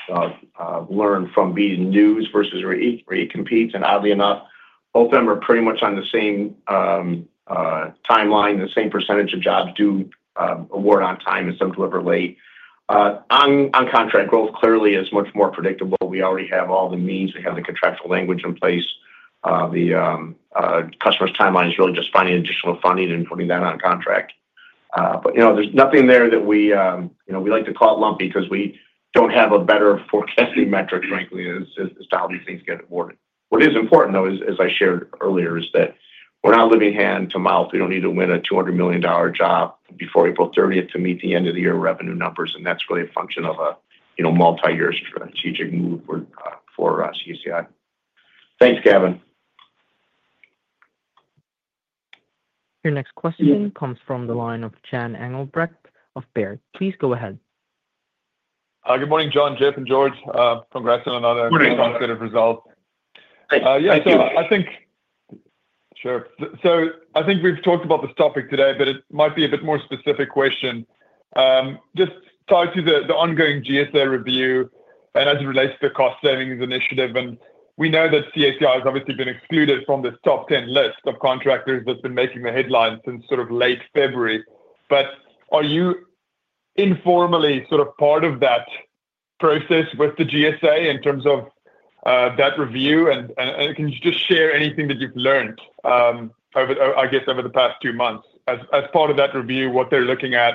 learn from being news versus ready to compete? Oddly enough, both of them are pretty much on the same timeline, the same % of jobs do award on time and some deliver late. On contract, growth clearly is much more predictable. We already have all the means. We have the contractual language in place. The customer's timeline is really just finding additional funding and putting that on contract. There's nothing there that we like to call it lumpy because we don't have a better forecasting metric, frankly, as to how these things get awarded. What is important, though, as I shared earlier, is that we're not living hand to mouth. We don't need to win a $200 million job before April 30th to meet the end-of-the-year revenue numbers. That is really a function of a multi-year strategic move for CACI. Thanks, Gavin. Your next question comes from the line of Jan Engelbrecht of Baird. Please go ahead. Good morning, John, Jeff, and George. Congrats on another great result. Yeah. I think. Sure. I think we've talked about this topic today, but it might be a bit more specific question. Just tied to the ongoing GSA review and as it relates to the cost-savings initiative. We know that CACI has obviously been excluded from this top 10 list of contractors that's been making the headlines since sort of late February. Are you informally sort of part of that process with the GSA in terms of that review? Can you just share anything that you've learned, I guess, over the past two months as part of that review, what they're looking at,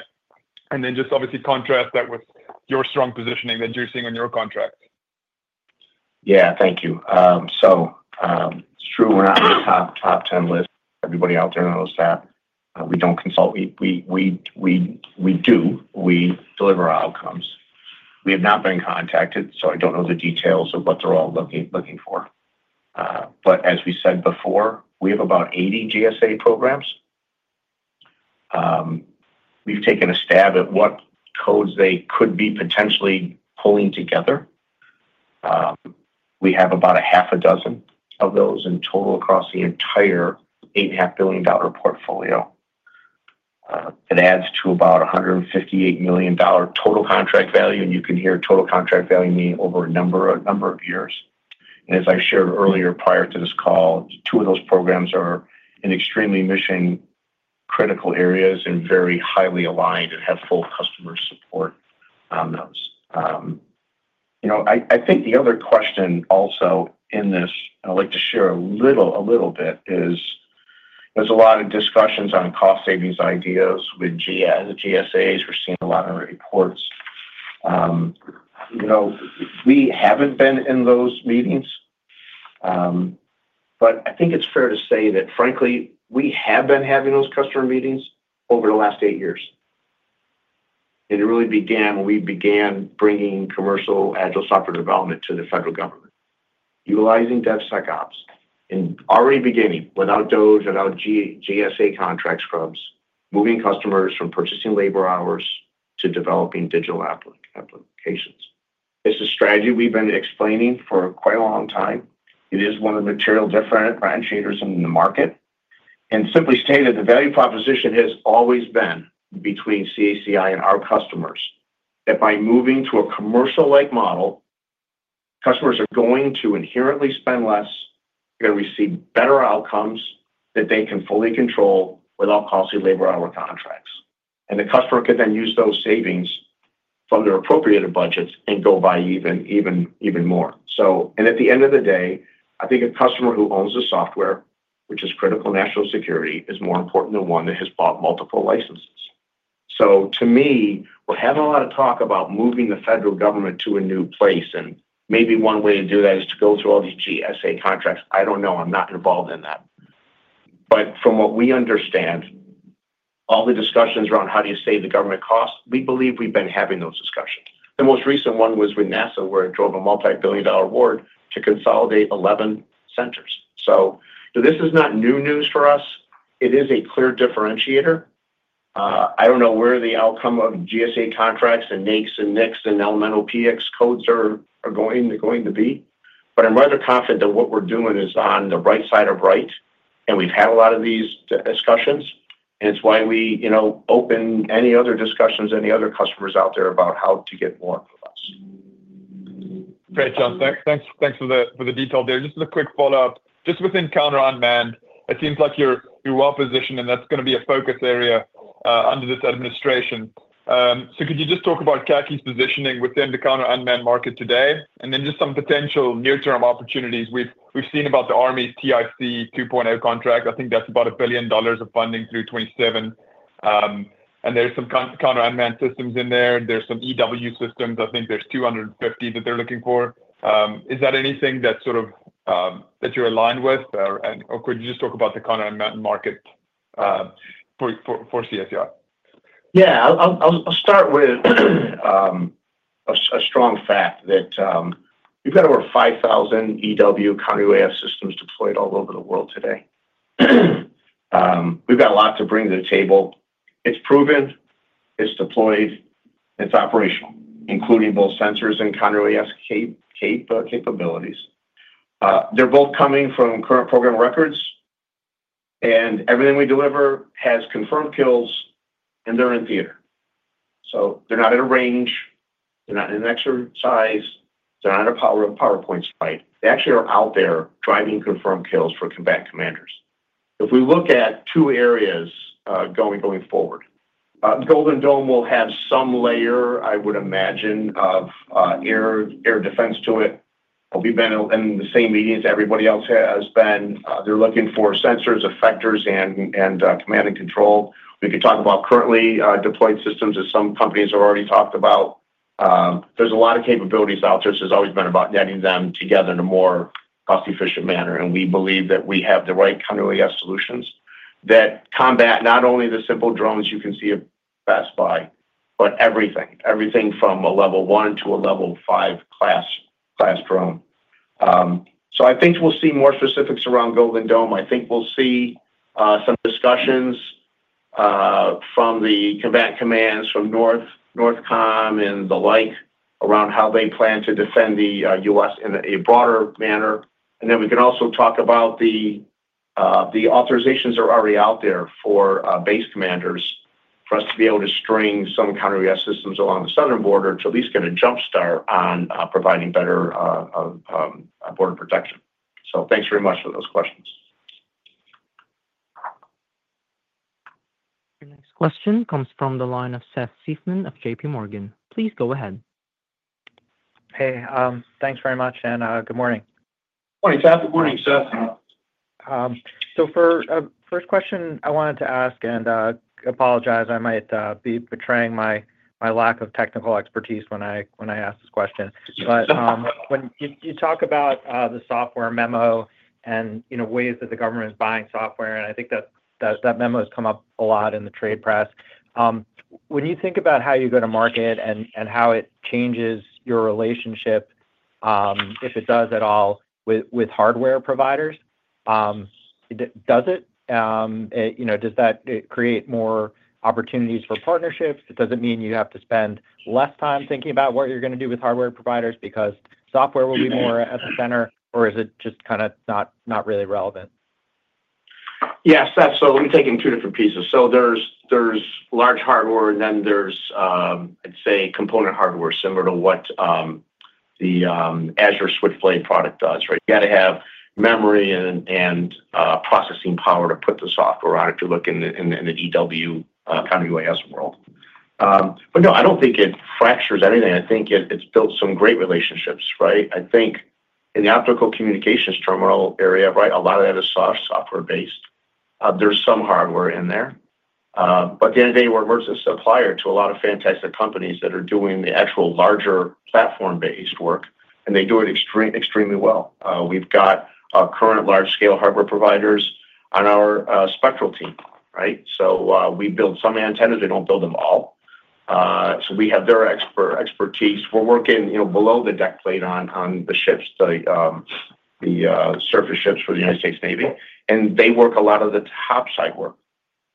and then just obviously contrast that with your strong positioning that you're seeing on your contract? Yeah. Thank you. It is true. We're not on the top 10 list. Everybody out there knows that. We don't. Well, we do. We deliver outcomes. We have not been contacted, so I don't know the details of what they're all looking for. As we said before, we have about 80 GSA programs. We've taken a stab at what codes they could be potentially pulling together. We have about half a dozen of those in total across the entire $8.5 billion portfolio. It adds to about $158 million total contract value. You can hear total contract value meaning over a number of years. As I shared earlier prior to this call, two of those programs are in extremely mission-critical areas and very highly aligned and have full customer support on those. I think the other question also in this, and I'd like to share a little bit, is there's a lot of discussions on cost-savings ideas with GSAs. We're seeing a lot of reports. We haven't been in those meetings, but I think it's fair to say that, frankly, we have been having those customer meetings over the last eight years. It really began when we began bringing commercial Agile software development to the federal government, utilizing DevSecOps and already beginning without GSA, without GSA contract scrubs, moving customers from purchasing labor hours to developing digital applications. It's a strategy we've been explaining for quite a long time. It is one of the material differentiators in the market. Simply stated, the value proposition has always been between CACI and our customers that by moving to a commercial-like model, customers are going to inherently spend less. They're going to receive better outcomes that they can fully control without costly labor hour contracts. The customer can then use those savings from their appropriated budgets and go buy even more. At the end of the day, I think a customer who owns the software, which is critical national security, is more important than one that has bought multiple licenses. To me, we're having a lot of talk about moving the federal government to a new place. Maybe one way to do that is to go through all these GSA contracts. I don't know. I'm not involved in that. From what we understand, all the discussions around how do you save the government cost, we believe we've been having those discussions. The most recent one was with NASA, where it drove a multi-billion-dollar award to consolidate 11 centers. This is not new news for us. It is a clear differentiator. I don't know where the outcome of GSA contracts and NAICS and NICS and Elemental PX codes are going to be, but I'm rather confident that what we're doing is on the right side of right, and we've had a lot of these discussions, and it's why we open any other discussions, any other customers out there about how to get more out of us. Great, John. Thanks for the detail there. Just as a quick follow-up, just within counter unmanned, it seems like you're well positioned, and that's going to be a focus area under this administration. Could you just talk about CACI's positioning within the counter unmanned market today? And then just some potential near-term opportunities. We've seen about the Army's TIC 2.0 contract. I think that's about $1 billion of funding through 2027. And there's some counter unmanned systems in there. There's some EW systems. I think there's 250 that they're looking for. Is that anything that you're aligned with? Could you just talk about the counter unmanned market for CACI? Yeah. I'll start with a strong fact that we've got over 5,000 EW, counter-EW systems deployed all over the world today. We've got a lot to bring to the table. It's proven. It's deployed. It's operational, including both sensors and counter-EW capabilities. They're both coming from current program records, and everything we deliver has confirmed kills, and they're in theater. They're not at a range. They're not in an exercise. They're not at a PowerPoint site. They actually are out there driving confirmed kills for combat commanders. If we look at two areas going forward, Golden Dome will have some layer, I would imagine, of air defense to it. We've been in the same meetings everybody else has been. They're looking for sensors, effectors, and command and control. We could talk about currently deployed systems that some companies have already talked about. Are a lot of capabilities out there. It has always been about netting them together in a more cost-efficient manner. We believe that we have the right counter-UAV solutions that combat not only the simple drones you can see pass by, but everything, everything from a level one to a level five class drone. I think we will see more specifics around Golden Dome. I think we will see some discussions from the combat commands, from NORTHCOM and the like, around how they plan to defend the U.S. in a broader manner. We can also talk about the authorizations that are already out there for base commanders for us to be able to string some counter-UAS of systems along the southern border to at least get a jumpstart on providing better border protection. Thanks very much for those questions. Your next question comes from the line of Seth Seifman of JPMorgan. Please go ahead. Hey. Thanks very much, and good morning. Morning, Seth. Good morning, Seth. For the first question, I wanted to ask, and I apologize, I might be betraying my lack of technical expertise when I ask this question. When you talk about the software memo and ways that the government is buying software, and I think that memo has come up a lot in the trade press, when you think about how you go to market and how it changes your relationship, if it does at all, with hardware providers, does it? Does that create more opportunities for partnerships? Does it mean you have to spend less time thinking about what you're going to do with hardware providers because software will be more at the center, or is it just kind of not really relevant? Yeah. Let me take it in two different pieces. There's large hardware, and then there's, I'd say, component hardware similar to what the Azure Switchblade product does, right? You got to have memory and processing power to put the software on if you're looking in the EW, country-way of world. No, I don't think it fractures anything. I think it's built some great relationships, right? I think in the optical communications terminal area, a lot of that is software-based. There's some hardware in there. At the end of the day, we're a merchant supplier to a lot of fantastic companies that are doing the actual larger platform-based work, and they do it extremely well. We've got current large-scale hardware providers on our Spectral team, right? We build some antennas. They don't build them all. We have their expertise. We're working below the deck plate on the ships, the surface ships for the United States Navy, and they work a lot of the topside work.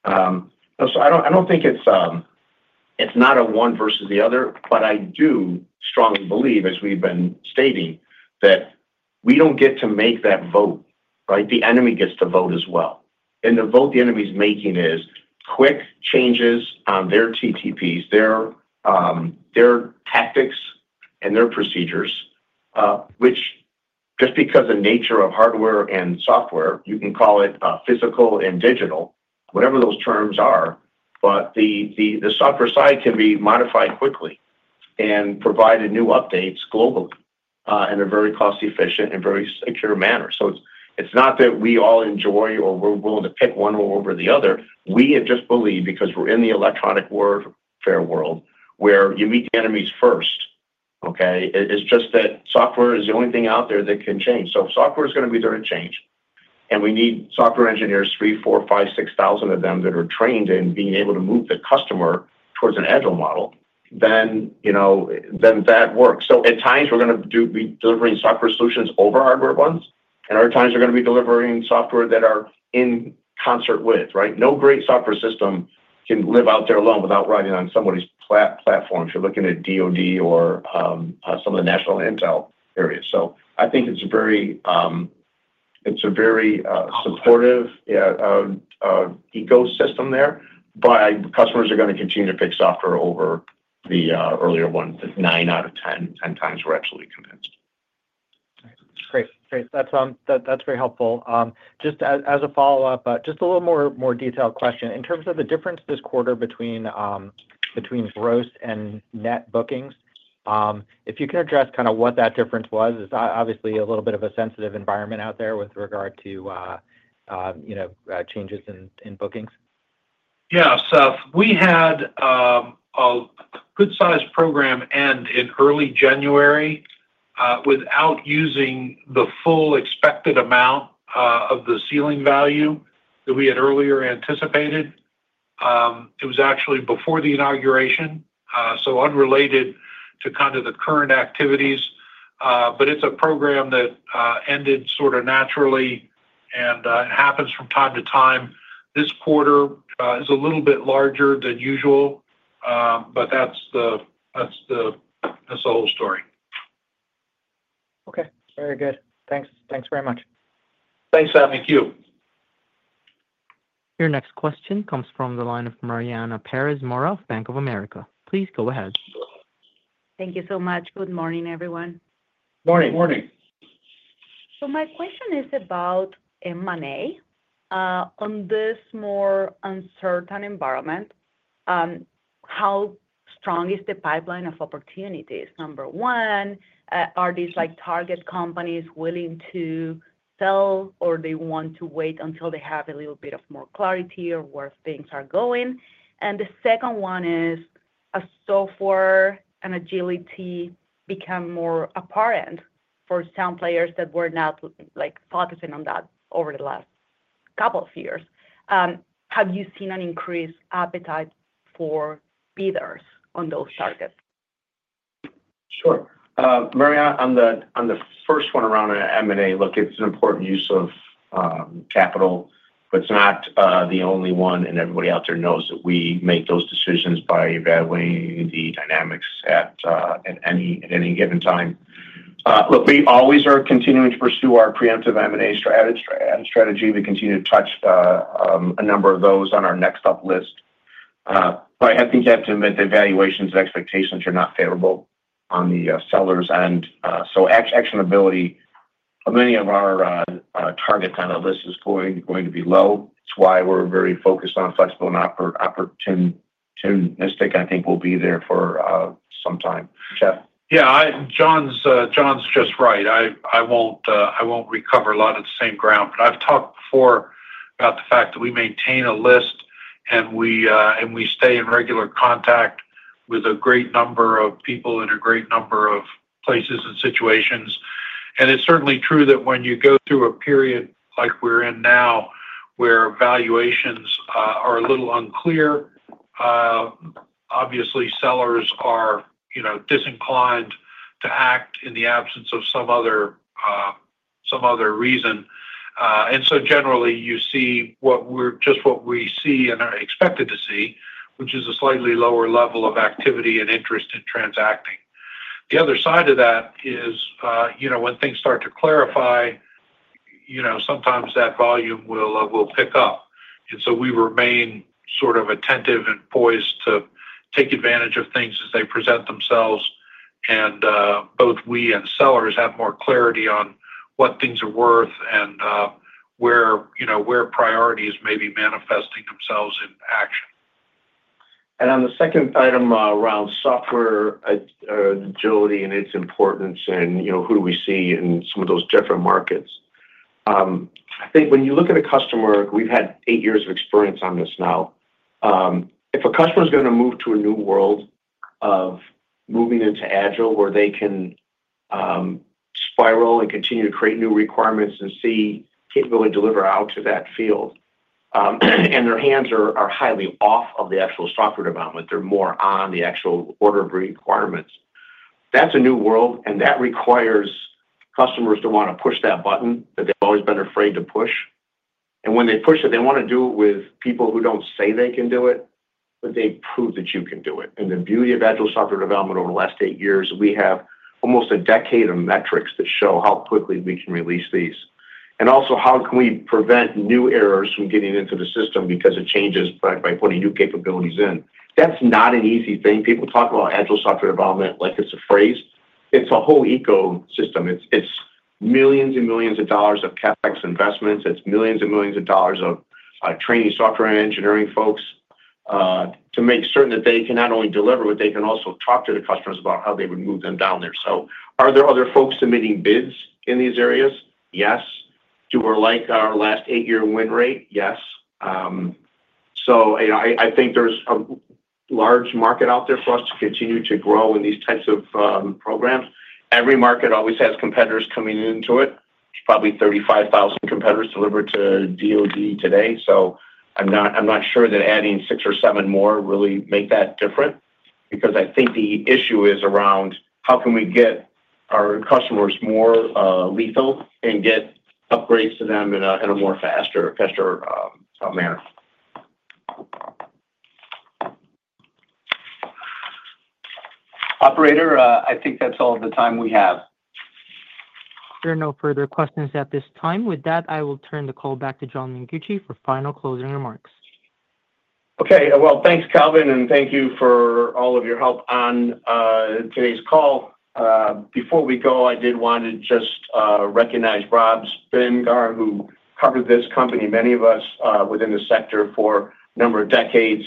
I don't think it's not a one versus the other, but I do strongly believe, as we've been stating, that we don't get to make that vote, right? The enemy gets to vote as well. The vote the enemy's making is quick changes on their TTPs, their tactics, and their procedures, which just because of the nature of hardware and software, you can call it physical and digital, whatever those terms are, but the software side can be modified quickly and provided new updates globally in a very cost-efficient and very secure manner. It's not that we all enjoy or we're willing to pick one over the other. We have just believed because we're in the electronic warfare world where you meet the enemies first, okay? It's just that software is the only thing out there that can change. If software is going to be there to change, and we need software engineers, three, four, five, six thousand of them that are trained in being able to move the customer towards an Agile model, that works. At times, we're going to be delivering software solutions over hardware ones, and other times we're going to be delivering software that are in concert with, right? No great software system can live out there alone without riding on somebody's platform if you're looking at DoD or some of the national intel areas. I think it's a very supportive ecosystem there, but customers are going to continue to pick software over the earlier ones, nine out of 10 times we're absolutely convinced. Great. Great. That's very helpful. Just as a follow-up, just a little more detailed question. In terms of the difference this quarter between gross and net bookings, if you can address kind of what that difference was, it's obviously a little bit of a sensitive environment out there with regard to changes in bookings. Yeah. We had a good-sized program end in early January without using the full expected amount of the ceiling value that we had earlier anticipated. It was actually before the inauguration, so unrelated to kind of the current activities. It is a program that ended sort of naturally, and it happens from time to time. This quarter is a little bit larger than usual, but that is the whole story. Okay. Very good. Thanks. Thanks very much. Thanks, Seth. Thank you. Your next question comes from the line of Mariana Pérez Mora of Bank of America. Please go ahead. Thank you so much. Good morning, everyone. Good morning. Good morning. My question is about M&A. In this more uncertain environment, how strong is the pipeline of opportunities? Number one, are these target companies willing to sell, or do they want to wait until they have a little bit more clarity of where things are going? The second one is, so far, an agility becoming more apparent for some players that were not focusing on that over the last couple of years. Have you seen an increased appetite for bidders on those targets? Sure. Mariana, on the first one around M&A, look, it's an important use of capital, but it's not the only one, and everybody out there knows that we make those decisions by evaluating the dynamics at any given time. Look, we always are continuing to pursue our preemptive M&A strategy. We continue to touch a number of those on our next up list. I think you have to admit the evaluations and expectations are not favorable on the sellers' end. Actionability of many of our target kind of lists is going to be low. It's why we're very focused on flexible and opportunistic, and I think we'll be there for some time. Seth? Yeah. John's just right. I won't recover a lot of the same ground, but I've talked before about the fact that we maintain a list, and we stay in regular contact with a great number of people in a great number of places and situations. It's certainly true that when you go through a period like we're in now where valuations are a little unclear, obviously, sellers are disinclined to act in the absence of some other reason. Generally, you see just what we see and are expected to see, which is a slightly lower level of activity and interest in transacting. The other side of that is when things start to clarify, sometimes that volume will pick up. We remain sort of attentive and poised to take advantage of things as they present themselves, and both we and sellers have more clarity on what things are worth and where priorities may be manifesting themselves in action. On the second item around software agility and its importance and who do we see in some of those different markets, I think when you look at a customer, we've had eight years of experience on this now. If a customer is going to move to a new world of moving into Agile where they can spiral and continue to create new requirements and see capability delivered out to that field, and their hands are highly off of the actual software development, they're more on the actual order of requirements, that's a new world, and that requires customers to want to push that button that they've always been afraid to push. When they push it, they want to do it with people who don't say they can do it, but they prove that you can do it. The beauty of Agile software development over the last eight years, we have almost a decade of metrics that show how quickly we can release these. Also, how can we prevent new errors from getting into the system because it changes by putting new capabilities in? That's not an easy thing. People talk about Agile software development like it's a phrase. It's a whole ecosystem. It's millions and millions of dollars of CapEx investments. It's millions and millions of dollars of training software and engineering folks to make certain that they can not only deliver, but they can also talk to the customers about how they would move them down there. Are there other folks submitting bids in these areas? Yes. Do we like our last eight-year win rate? Yes. I think there's a large market out there for us to continue to grow in these types of programs. Every market always has competitors coming into it. There's probably 35,000 competitors delivered to DoD today. I'm not sure that adding six or seven more really makes that different because I think the issue is around how can we get our customers more lethal and get upgrades to them in a more faster manner. Operator, I think that's all the time we have. There are no further questions at this time. With that, I will turn the call back to John Mengucci for final closing remarks. Okay. Thanks, Calvin, and thank you for all of your help on today's call. Before we go, I did want to just recognize Rob Spingarn, who covered this company, many of us within the sector for a number of decades,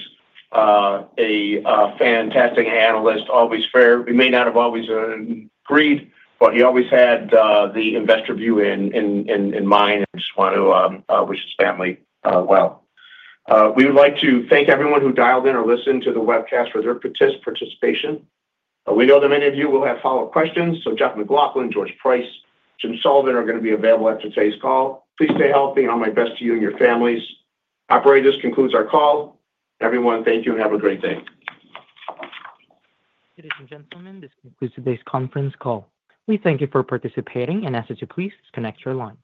a fantastic analyst, always fair. We may not have always agreed, but he always had the investor view in mind, and I just want to wish his family well. We would like to thank everyone who dialed in or listened to the webcast for their participation. We know that many of you will have follow-up questions, so Jeff MacLauchlan, George Price, Jim Sullivan are going to be available after today's call. Please stay healthy, and all my best to you and your families. Operator, this concludes our call. Everyone, thank you, and have a great day. Ladies and gentlemen, this concludes today's conference call. We thank you for participating, and ask that you please disconnect your line.